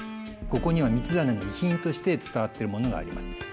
ここには道真の遺品として伝わってるものがあります。